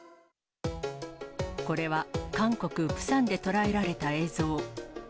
これは韓国・プサンで捉えられた映像。